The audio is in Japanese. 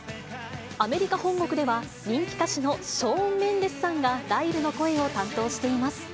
アメリカ本国では人気歌手のショーン・メンデスさんがライルの声を担当しています。